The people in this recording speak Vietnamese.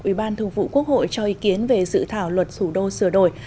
ủy ban thường vụ quốc hội cho ý kiến về dự thảo luật thủ đô sửa đổi